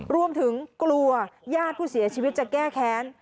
รวมถึงกลัวญาติผู้เสียชีวิตจะแก้แค้น